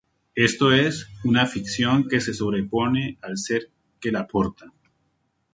Esto es, una ficción que se sobrepone al ser que la porta.